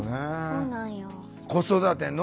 そうなんや。